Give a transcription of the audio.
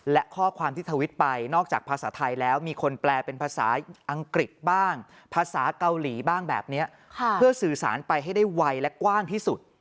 และข้อความที่ทวิตไปนอกจากภาษาไทยแล้วมีคนแปลเป็นภาษาอังกฤษบ้างภาษาเกาหลีบ้างแบบนี้เพื่อสื่อสารไปให้ได้ไวและกว้างที่สุด